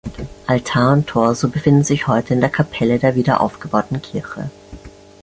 Altar und Torso befinden sich heute in der Kapelle der wieder aufgebauten Kirche.